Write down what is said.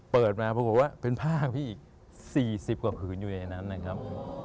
เปิดมาปรากฏว่าเป็นผ้าพี่อีก๔๐กว่าผืนอยู่ในนั้นนะครับ